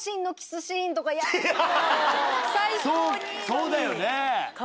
そうだよね。